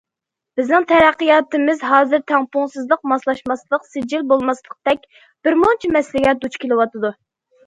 بىزنىڭ تەرەققىياتىمىز ھازىر تەڭپۇڭسىزلىق، ماسلاشماسلىق، سىجىل بولماسلىقتەك بىرمۇنچە مەسىلىگە دۇچ كېلىۋاتىدۇ.